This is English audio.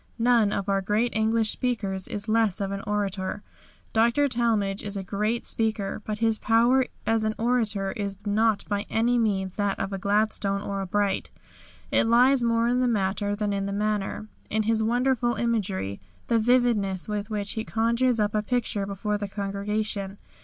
None of our great English speakers is less of an orator. Dr. Talmage is a great speaker, but his power as an orator is not by any means that of a Gladstone or a Bright. It lies more in the matter than in the manner, in his wonderful imagery, the vividness with which he conjures up a picture before the congregation.